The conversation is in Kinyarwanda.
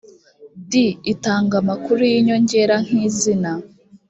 d itanga amakuru y inyongera nk izina